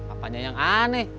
apanya yang aneh